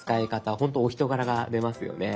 ほんとお人柄が出ますよね。